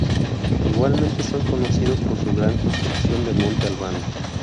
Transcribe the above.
Igualmente son conocidos por su gran construcción de Monte Albán.